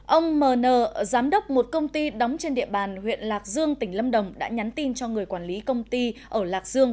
ông m n giám đốc một công ty đóng trên địa bàn huyện lạc dương tỉnh lâm đồng đã nhắn tin cho người quản lý công ty ở lạc dương